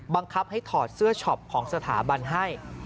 บังคับให้ถอดเสื้อช็อปของสถาบันให้